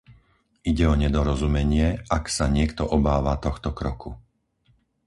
Ide o nedorozumenie, ak sa niekto obáva tohto kroku.